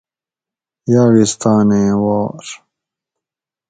یاغستانیں وار